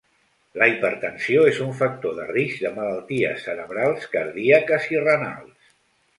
La hipertensió és un factor de risc de malalties cerebrals, cardíaques i renals.